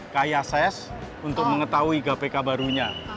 kayases untuk mengetahui kpk barunya